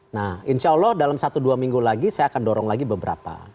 nah insya allah dalam satu dua minggu lagi saya akan dorong lagi beberapa